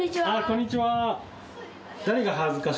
こんにちは。